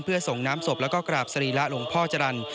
เพื่อส่งน้ำศพแล้วก็กราบสรีระหลวงพ่อจรรย์